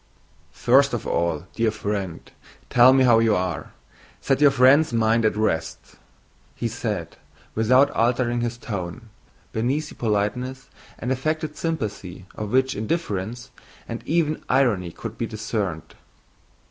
"First of all, dear friend, tell me how you are. Set your friend's mind at rest," said he without altering his tone, beneath the politeness and affected sympathy of which indifference and even irony could be discerned.